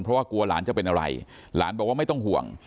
เพราะว่ากลัวหลานจะเป็นอะไรหลานบอกว่าไม่ต้องห่วง